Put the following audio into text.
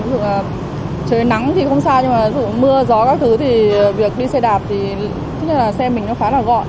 ví dụ là trời nắng thì không sao nhưng mà mưa gió các thứ thì việc đi xe đạp thì xe mình nó khá là gọn